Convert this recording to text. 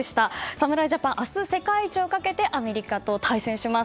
侍ジャパン、明日、世界一をかけアメリカと対戦します。